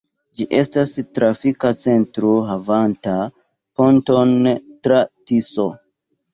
Ĝi estas trafika centro havanta ponton tra Tiso.